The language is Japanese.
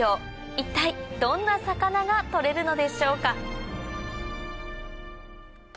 一体どんな魚がとれるのでしょうか？